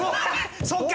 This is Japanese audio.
そっか！